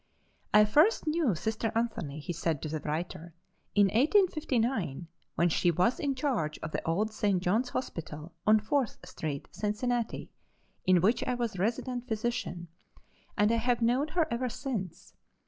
"I first knew Sister Anthony," he said to the writer, "in 1859, when she was in charge of the old St. John's Hospital, on Fourth street, Cincinnati, in which I was resident physician, and I have known her ever since.